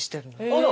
あら。